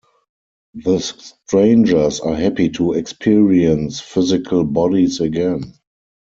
The strangers are happy to experience physical bodies again.